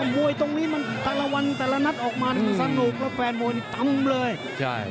มวยตรงนี้มันทั้งละวันแต่ละนัดออกมาสนุกเพราะแฟนมวยตรงนี้ตำเลย